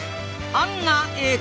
あんなええ